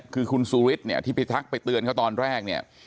คือคุณสุรินเนี่ยที่ไปทักไปเตือนเขาตอนแรกเนี่ย